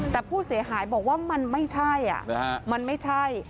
แต่ผู้เสียหายบอกว่ามันไม่ใช่มันไม่ใช่